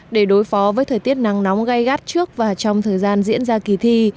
để đối phó với thời tiết nắng nóng gai gắt trước và trong thời gian diễn ra kỳ thi